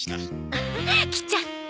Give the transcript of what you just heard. アハッ来ちゃった。